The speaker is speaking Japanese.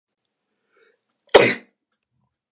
グレナダの首都はセントジョージズである